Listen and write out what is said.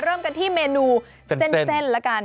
เริ่มกันที่เมนูเส้นละกัน